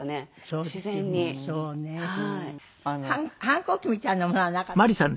反抗期みたいなものはなかったんですか？